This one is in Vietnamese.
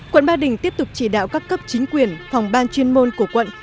quận ba đình tiếp tục chỉ đạo các cấp chính quyền phòng ban chuyên môn của quận